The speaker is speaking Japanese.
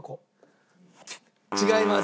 違います。